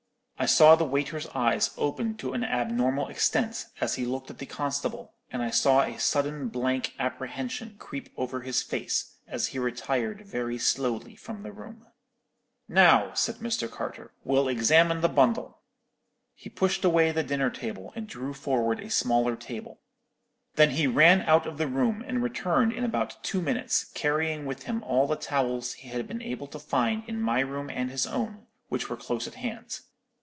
"I saw the waiter's eyes open to an abnormal extent, as he looked at the constable, and I saw a sudden blank apprehension creep over his face, as he retired very slowly from the room. "'Now,' said Mr. Carter, 'we'll examine the bundle.' "He pushed away the dinner table, and drew forward a smaller table. Then he ran out of the room, and returned in about two minutes, carrying with him all the towels he had been able to find in my room and his own, which were close at hand.